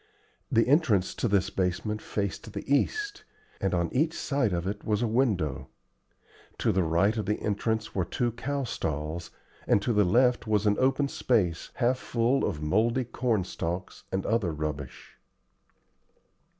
The entrance to this basement faced the east, and on each side of it was a window. To the right of the entrance were two cow stalls, and to the left was an open space half full of mouldy corn stalks and other rubbish.